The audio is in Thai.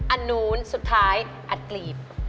อันนู้นสุดท้ายอัดกลีบ